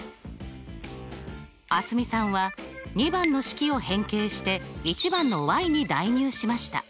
蒼澄さんは２番の式を変形して１番のに代入しました。